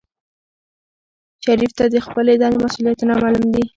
شریف ته د خپلې دندې مسؤولیتونه معلوم دي.